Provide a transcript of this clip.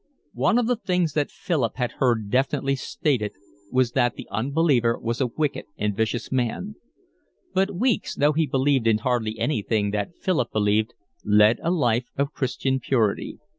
One of the things that Philip had heard definitely stated was that the unbeliever was a wicked and a vicious man; but Weeks, though he believed in hardly anything that Philip believed, led a life of Christian purity.